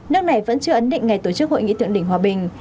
nước này vẫn chưa ấn định ngày tổ chức hội nghị thượng đỉnh hòa bình